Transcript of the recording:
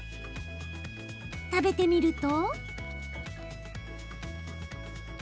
食べてみると。